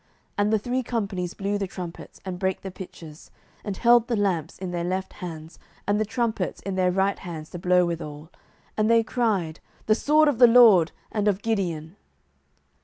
07:007:020 And the three companies blew the trumpets, and brake the pitchers, and held the lamps in their left hands, and the trumpets in their right hands to blow withal: and they cried, The sword of the LORD, and of Gideon.